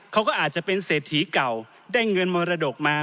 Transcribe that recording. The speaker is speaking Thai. เขาก็อาจจะเป็นเศรษฐีเก่าได้เงินมรดกมา